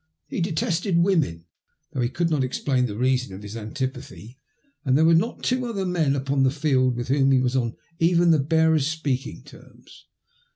He detested women, though he could not explain the reason of his antipathy, and there were not two other men upon the field with whom he was on even the barest speaking terms.